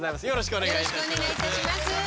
よろしくお願いします。